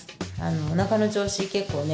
おなかの調子結構ね